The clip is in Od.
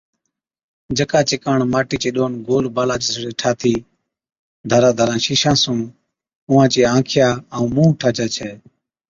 جڪا چي ڪاڻ ماٽِي چي ڏونَ گول بالا جِسڙي ٺاٿِي ڌاران ڌاران شِيشان سُون اُونھان چِيا آنکِيا ائُون مُنھن ٺاهجي ڇَي